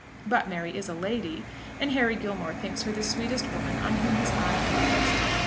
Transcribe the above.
But Mary is a lady, and Harry Gilmore thinks her the sweetest woman on whom his eye ever rested.